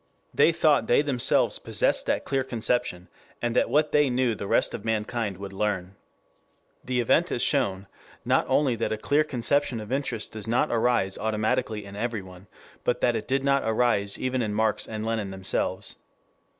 They thought they themselves possessed that clear conception, and that what they knew the rest of mankind would learn. The event has shown, not only that a clear conception of interest does not arise automatically in everyone, but that it did not arise even in Marx and Lenin themselves.